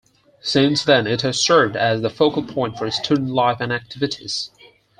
Since then, it has served as the focal point for student life and activities.